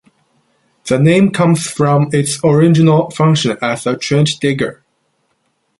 The name comes from its original function as a trench digger.